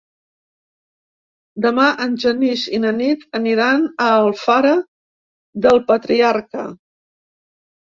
Demà en Genís i na Nit aniran a Alfara del Patriarca.